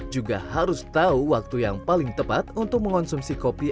juga harus tahu waktu yang paling tepat untuk mengonsumsi kopi